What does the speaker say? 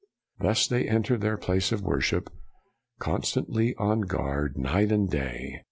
Thus they enter their place of worship, constantly on their guard, night and day."